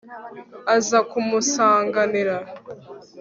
aza kumusanganira